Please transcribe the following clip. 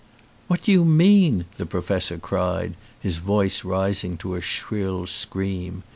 "What do you mean?" the professor cried, his voice rising to a shrill scream.